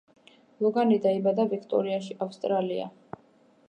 ლოგანი დაიბადა ვიქტორიაში, ავსტრალია.